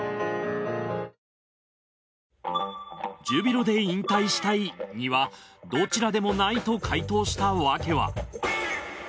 ジュビロで引退したい？にはどちらでもないと回答した訳は？